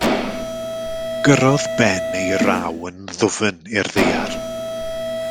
Gyrrodd Ben ei raw yn ddwfn i'r ddaear.